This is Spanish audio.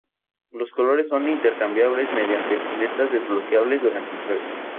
Los colores son intercambiables mediante paletas desbloqueables durante el juego.